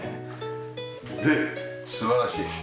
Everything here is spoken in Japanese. で素晴らしい。